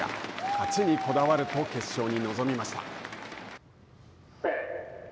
勝ちにこだわると決勝に臨みました。